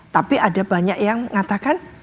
tapi ada banyak yang mengatakan